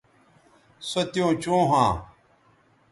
سو تیوں چوں ھواں